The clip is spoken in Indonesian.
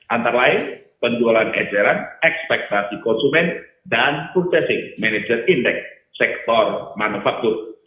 antara lain penjualan eceran ekspektasi konsumen dan purcasing manager index sektor manufaktur